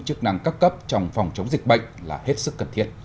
chức năng các cấp trong phòng chống dịch bệnh là hết sức cần thiết